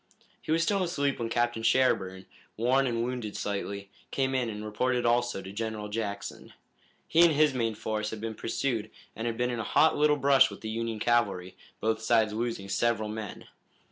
He was still asleep when Captain Sherburne, worn and wounded slightly, came in and reported also to General Jackson. He and his main force had been pursued and had been in a hot little brush with the Union cavalry, both sides losing several men.